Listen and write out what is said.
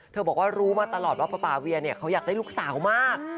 บอกว่ารู้มาตลอดว่าป๊าเวียเนี่ยเขาอยากได้ลูกสาวมาก